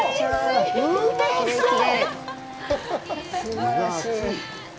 すばらしい。